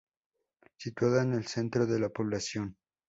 Situada en el centro de la población.